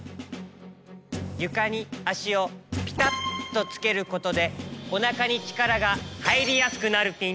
ゆかにあしをピタッとつけることでおなかにちからがはいりやすくなるピン。